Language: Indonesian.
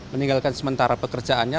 meninggalkan sementara pekerjaannya